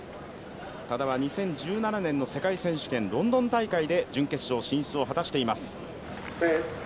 多田は２０１７年の世界選手権ロンドン大会で準決勝進出を果たしています。